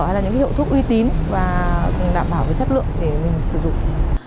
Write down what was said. hay là những hiệu thuốc uy tín và đảm bảo chất lượng để mình sử dụng